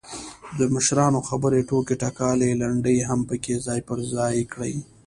دمشرانو خبرې، ټوکې ټکالې، لنډۍ هم پکې ځاى په ځاى کړي.